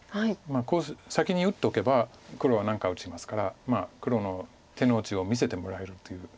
こう先に打っておけば黒は何か打ちますから黒の手の内を見せてもらえるという感じですか。